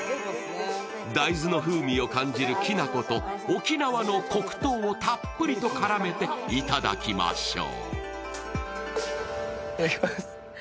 大豆の風味を感じるきな粉と沖縄の黒糖をたっぷりと絡めていただきましょう。